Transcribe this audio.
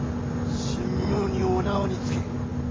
神妙にお縄につけ！